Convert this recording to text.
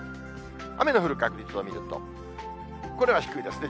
雨の降る確率を見ると、これは低めですね。